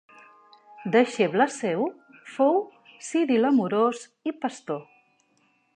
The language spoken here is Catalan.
Deixeble seu fou Ciril Amorós i Pastor.